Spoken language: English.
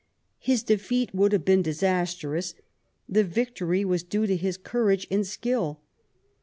His defeat would have been disastrous; the victory was due to his courage and skill.